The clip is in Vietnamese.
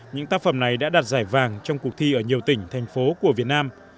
những tác phẩm này đã đạt giải vàng trong cuộc thi ở nhiều tỉnh thành phố của việt nam